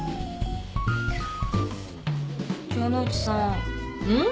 城ノ内さん。